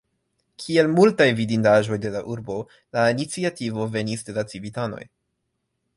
Kiel multaj vidindaĵoj de la urbo la iniciativo venis de la civitanoj.